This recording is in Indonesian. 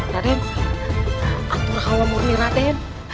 raden atur halamurni raden